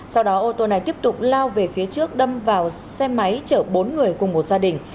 sau đó ô tô này tiếp tục lao về phía trước đâm vào xe máy chở bốn người cùng một gia đình